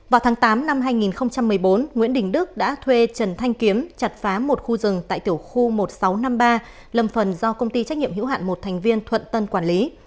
vào tháng tám năm hai nghìn một mươi bốn nguyễn đình đức đã thuê trần thanh kiếm chặt phá một khu rừng tại tiểu khu một nghìn sáu trăm năm mươi ba lâm phần do công ty trách nhiệm hữu hạn một thành viên thuận tân quản lý